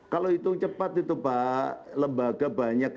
kalau hitung cepat itu pak lembaga banyak